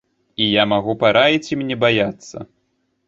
І я магу параіць ім не баяцца.